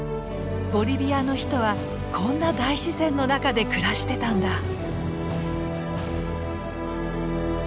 ボリビアの人はこんな大自然の中で暮らしてたんだ。